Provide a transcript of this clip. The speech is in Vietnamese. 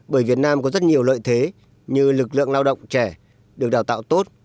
bởi việt nam có rất nhiều lợi thế như lực lượng lao động trẻ được đào tạo tốt